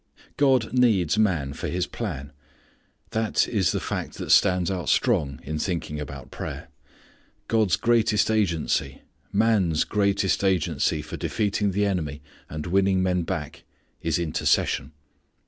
God needs man for His plan. That is the fact that stands out strong in thinking about prayer. God's greatest agency; man's greatest agency, for defeating the enemy and winning men back is intercession.